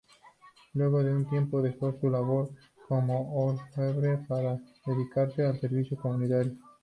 Luego de un tiempo, dejó su labor como orfebre, para dedicarse al servicio comunitario.